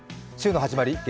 週の始まり